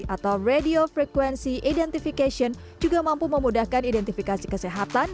atau radio frequency identification juga mampu memudahkan identifikasi kesehatan